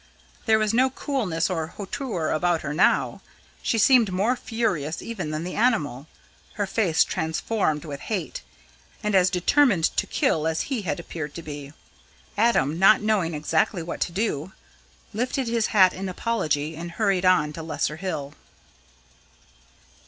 There was no coolness or hauteur about her now; she seemed more furious even than the animal, her face transformed with hate, and as determined to kill as he had appeared to be. Adam, not knowing exactly what to do, lifted his hat in apology and hurried on to Lesser Hill.